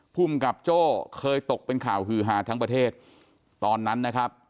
ภูมิกับโจ้เคยตกเป็นข่าวฮือฮาทั้งประเทศตอนนั้นนะครับ